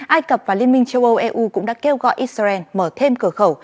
ai cập và liên minh châu âu eu cũng đã kêu gọi israel mở thêm cửa khẩu